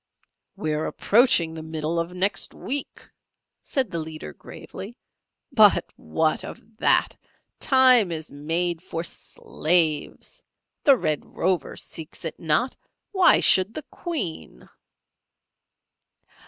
"We are approaching the Middle of Next Week," said the leader, gravely; "but what of that? Time is made for slaves! The Red Rover seeks it not! Why should the Queen?"